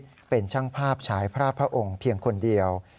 และเป็นช่างภาพฉายภาพพระองค์เพียงคนเดียว